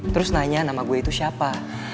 terus nanya nama gue itu siapa